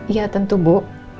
iya tentu bu